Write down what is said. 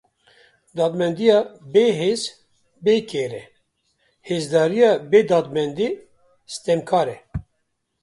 Dadmendiya bêhêz, bêkêr e; hêzdariya bê dadmendî, stemkar e.